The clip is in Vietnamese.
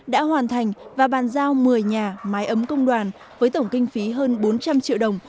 đã hoàn thành và bàn giao một mươi nhà mái ấm công đoàn với tổng kinh phí hơn bốn trăm linh triệu đồng